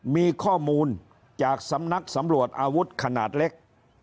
มีข้อมูลจากสำนักสำรวจอาวุธขนาดเล็ก